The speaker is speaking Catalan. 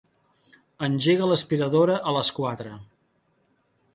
Engega l'aspiradora a les quatre.